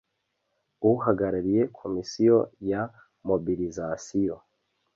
uhagarariye komisiyo ya mobilisation